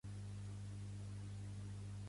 Tallo arbres tot pensant en Aquil·les.